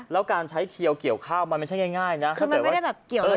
แล้วการใช้เขียวเกี่ยวข้าวมันไม่ใช่ง่ายนะถ้าเกิดว่าไม่ได้แบบเกี่ยวเออ